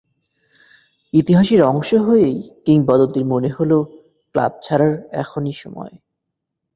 ইতিহাসের অংশ হয়েই কিংবদন্তির মনে হলো, ক্লাব ছাড়ার এখনই সময়।